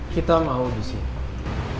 kita mau di sini